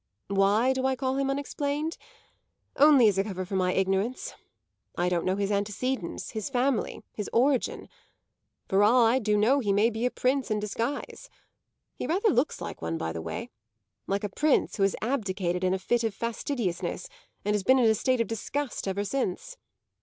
Why do I call him unexplained? Only as a cover for my ignorance; I don't know his antecedents, his family, his origin. For all I do know he may be a prince in disguise; he rather looks like one, by the way like a prince who has abdicated in a fit of fastidiousness and has been in a state of disgust ever since.